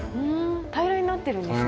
平らになってるんですね。